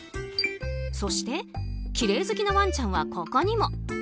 そして、きれい好きなワンちゃんはここにも。